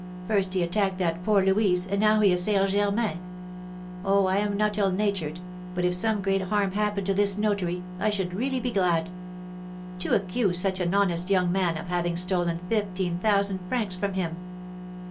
First he attacked that poor Louise, and now he assails Germain. Oh, I am not ill natured; but if some great harm happened to this notary, I should really be glad! To accuse such an honest young man of having stolen fifteen thousand francs from him!